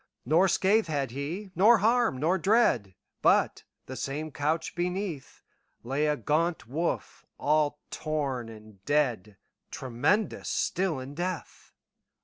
Nor scath had he, nor harm, nor dread, But, the same couch beneath, Lay a gaunt wolf, all torn and dead, Tremendous still in death.